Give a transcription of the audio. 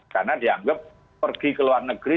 karena dianggap pergi ke luar negeri